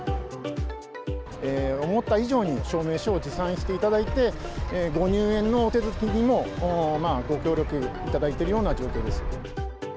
思った以上に証明書を持参していただいて、ご入園の手続きにもご協力いただいてるような状況です。